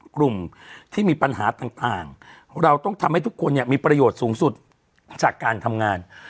กลุ่มที่มีปัญหาต่างเราต้องทำให้ทุกคนเนี่ยมีประโยชน์สูงสุดจากการทำงาน